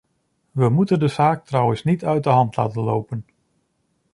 We moeten de zaak trouwens niet uit de hand laten lopen.